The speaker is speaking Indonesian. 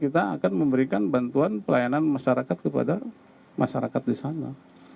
kita akan memberikan bantuan pelayanan masyarakat kepada masyarakat di sana